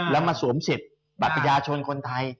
แล้วมาสวมเสร็จบรัฐประเทศชนคนไทย